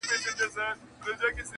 میکده کي به له ډکه جامه ولاړ سم,